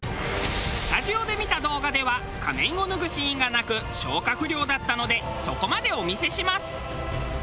スタジオで見た動画では仮面を脱ぐシーンがなく消化不良だったのでそこまでお見せします！